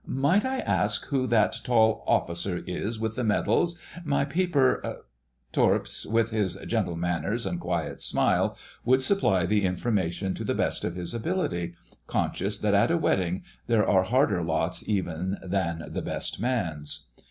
"Might I ask who that tall Officer is with the medals...? My Paper——" And Torps, with his gentle manners and quiet smile, would supply the information to the best of his ability, conscious that at a wedding there are harder lots even than the Best Man's....